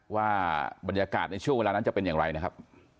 ว่าบรรยากาศในช่วงเวลานั้นจะเป็นอย่างไรนะครับ